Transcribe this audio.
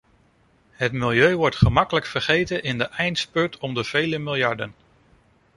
Het milieu wordt gemakkelijk vergeten in de eindspurt om de vele miljarden.